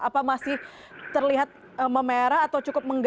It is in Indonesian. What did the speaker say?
apa masih terlihat memerah atau cukup mengganggu